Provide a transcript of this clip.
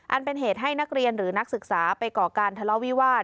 เป็นเหตุให้นักเรียนหรือนักศึกษาไปก่อการทะเลาะวิวาส